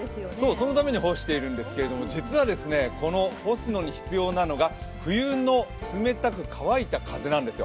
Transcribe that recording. そのために干しているんですけども、実は、この干すのに必要なのが冬の冷たく乾いた風なんですよ。